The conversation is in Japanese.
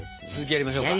やりましょう！